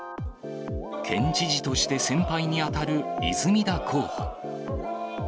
県知事として先輩に当たる泉田候補。